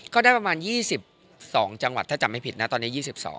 ก็ได้ประมาณ๒๒จังหวัดถ้าจำไม่ผิดนะตอนนี้๒๒